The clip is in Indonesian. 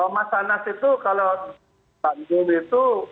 mas anas itu kalau bandung itu